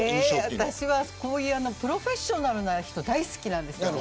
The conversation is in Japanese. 私はこういうプロフェッショナルな人大好きです。